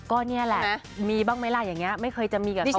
ก็นี่แหละมีบ้างไหมล่ะอย่างนี้ไม่เคยจะมีกับเขา